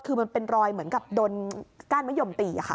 คือมันเป็นรอยเหมือนกับโดนก้านมะยมตีค่ะ